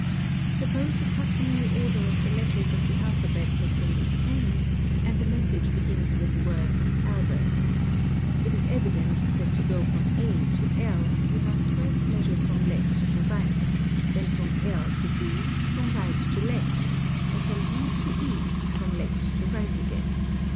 Suppose the customary order of the letters of the alphabet is been retained and the message begins with the word " Albert", It 608 CIPHERS is evident that to go from A to | we must first measure from left toright; then from | to b from right to left, and from b to e from left to right — again.